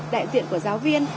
đại diện của giáo viên